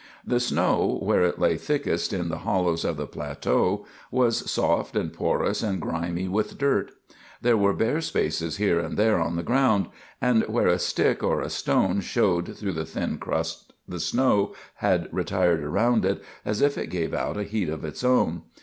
The snow, where it lay thickest in the hollows of the plateau, was soft and porous and grimy with dirt. There were bare spaces here and there on the ground, and where a stick or a stone showed through the thin crust the snow had retired around it as if it gave out a heat of its own.